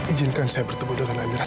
izinkan saya bertemu dengan amirah